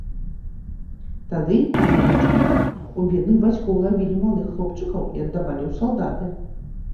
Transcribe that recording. Тады, пане начальнік, у бедных бацькоў лавілі малых хлопчыкаў і аддавалі ў салдаты.